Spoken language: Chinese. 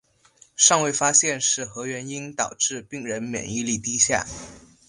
尚未发现是何原因导致病人免疫力低下。